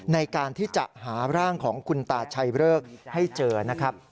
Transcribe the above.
ในการที่จะหาร่างของคุณตาชัยเริกให้เจอนะครับ